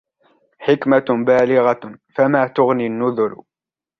حِكْمَةٌ بَالِغَةٌ فَمَا تُغْنِ النُّذُرُ